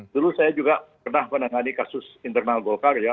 dulu saya juga pernah menangani kasus internal golkar ya